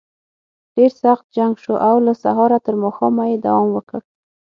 ډېر سخت جنګ شو او له سهاره تر ماښامه یې دوام وکړ.